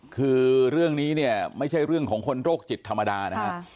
คือเรื่องนี้เนี่ยไม่ใช่เรื่องของคนโรคจิตธรรมดานะฮะ